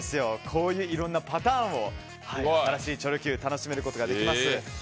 こういういろんなパターンを新しいチョロＱでは楽しめることができます。